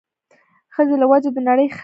ښځې له وجه د نړۍ ښايست دی